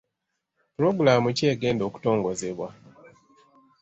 Pulogulaamu ki egenda okutongozebwa?